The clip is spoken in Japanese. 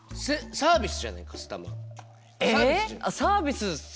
サービス。